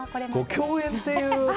ご共演っていう。